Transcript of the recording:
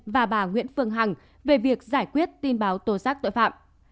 và bà nguyễn phương hằng về việc giải quyết tin báo tố xác tội phạm